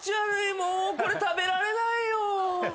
もうこれ食べられないよ。